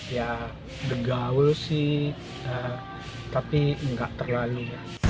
ya degaul sih tapi nggak terlalu